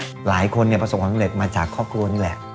ตัวหลายคนประสบความเนื้อเล็ทมาจากครอบครัวนี่แหละ